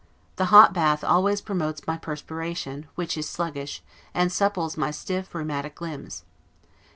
The hot bath always promotes my perspiration, which is sluggish, and supples my stiff rheumatic limbs.